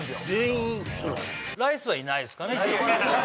全員ライスはいないですかね？